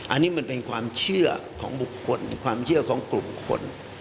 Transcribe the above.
อันนี้มันเป็นความเชื่อของบุคคลความเชื่อของกลุ่มคน